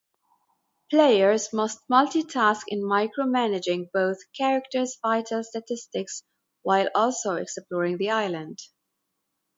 Players must multitask in micromanaging both characters' vital statistics while also exploring the island.